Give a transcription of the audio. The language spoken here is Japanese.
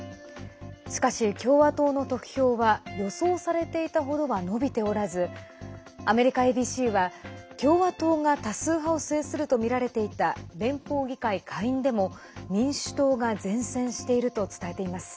しかし、共和党の得票は予想されていたほどは伸びておらずアメリカＡＢＣは共和党が多数派を制するとみられていた連邦議会下院でも民主党が善戦していると伝えています。